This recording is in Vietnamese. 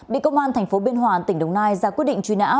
bị công an tp biên hòa tỉnh đồng nai ra quyết định truy nã